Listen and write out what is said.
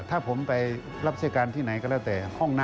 ถ้าผมไปรับเศรษฐการณ์ที่ไหนก็แล้วแต่ห้องน้ำสถานีรายการ